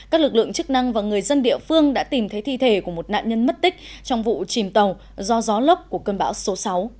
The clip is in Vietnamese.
các lực lượng chức năng và người dân địa phương đã tìm thấy thi thể của một nạn nhân mất tích trong vụ chìm tàu do gió lốc của cơn bão số sáu